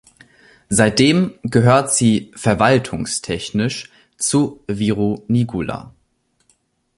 Seitdem gehört sie verwaltungstechnisch zu Viru-Nigula.